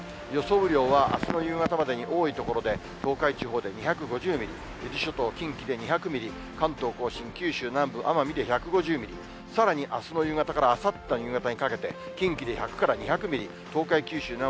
雨量はあすの夕方までに多い所で、東海地方で２５０ミリ、伊豆諸島、近畿で２００ミリ、関東甲信、九州南部、奄美で１５０ミリ、さらにあすの夕方からあさっての夕方にかけて１００から１５０ミリ。